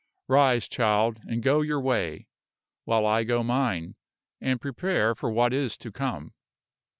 Rise, child, and go your way, while I go mine, and prepare for what is to come.